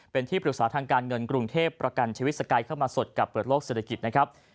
เป็นที่ปรึกษาทางการเงินกรุงเทพประกันชีวิตสกายเข้ามาสดกับเปิดโลกเศรษฐกิจนะครับ